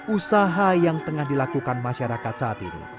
usaha yang tengah dilakukan masyarakat saat ini